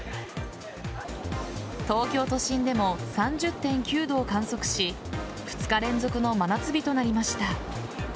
東京都心でも３０．９度を観測し２日連続の真夏日となりました。